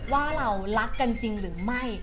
ว่าเรารักกันจริงหรือไม่